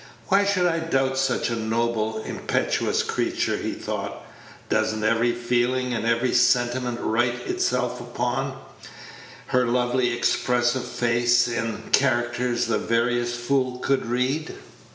"Why should I doubt such a noble, impetuous creature?" he thought; "does n't every feeling and every sentiment write itself upon, her lovely, expressive face in characters the veriest fool could read?